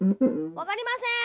「わかりません」